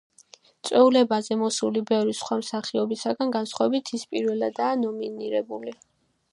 წვეულებაზე მოსული ბევრი სხვა მსახიობისგან განსხვავებით, ის პირველადაა ნომინირებული.